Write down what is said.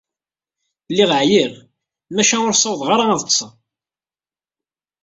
Lliɣ εyiɣ, maca ur ssawḍeɣ ara ad ṭṭseɣ.